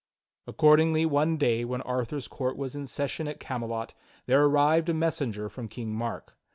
Accordingly, one day when Arthur's court was in session at Camelot, there arrived a messenger from King Mark.